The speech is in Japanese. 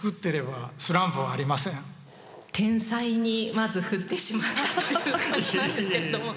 天才にまず振ってしまったという感じなんですけれども。